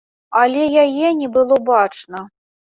Але яе не было бачна.